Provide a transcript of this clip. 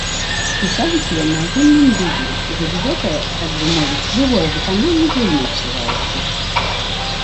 Пісаліся яны агульным дублем і вось гэтае, так бы мовіць, жывое выкананне, вельмі адчуваецца.